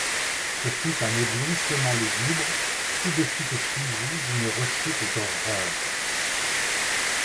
Ce fut un éblouissement lugubre, tout de suite suivi d’une rechute d’horreur.